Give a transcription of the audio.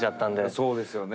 そうですよね。